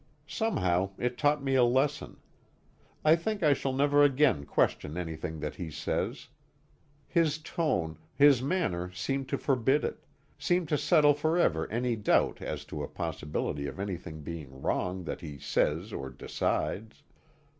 Somehow it taught me a lesson. I think I shall never again question anything that he says. His tone, his manner seemed to forbid it, seemed to settle forever any doubt as to a possibility of anything being wrong that he says or decides.